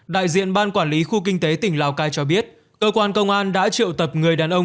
đại diện ban quản lý khu kinh tế tỉnh lào cai cho biết cơ quan công an đã triệu tập người đàn ông